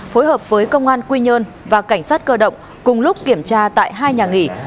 phối hợp với công an quy nhơn và cảnh sát cơ động cùng lúc kiểm tra tại hai nhà nghỉ